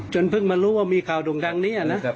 เพิ่งมารู้ว่ามีข่าวดุ่งดังนี้นะ